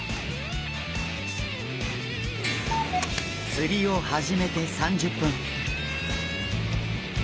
釣りを始めて３０分。